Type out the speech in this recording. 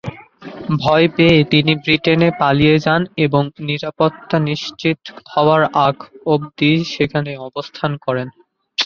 ভয় পেয়ে তিনি ব্রিটেনে পালিয়ে যান এবং নিরাপত্তা নিশ্চিত হওয়ার আগ অব্দি সেখানেই অবস্থা করেন।